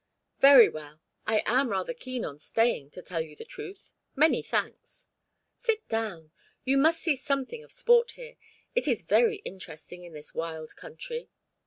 "Very well I am rather keen on staying, to tell you the truth. Many thanks." "Sit down. You must see something of sport here. It is very interesting in this wild country."